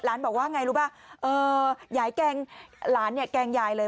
หลานบอกว่าอย่างไรรู้ไหมยายแกล้งหลานแกล้งยายเลย